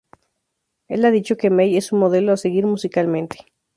Él ha dicho que Mey es su modelo a seguir musicalmente.